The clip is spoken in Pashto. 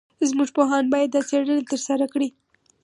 زموږ پوهان باید دا څېړنه ترسره کړي.